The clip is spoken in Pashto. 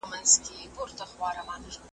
چي لري د ربابونو دوکانونه .